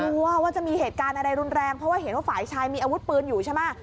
กลัวว่าจะมีเหตุการณ์อะไรรุนแรงเพราะว่าเห็นว่าฝ่ายชายมีอาวุธปืนอยู่ใช่ไหม